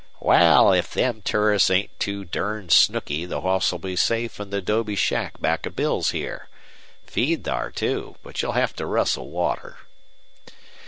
"Wal, if them tourists ain't too durned snooky the hoss'll be safe in the 'dobe shack back of Bill's here. Feed thar, too, but you'll hev to rustle water."